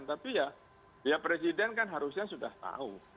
tapi ya presiden kan harusnya sudah tahu